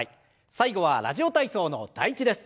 最後は「ラジオ体操」の第１です。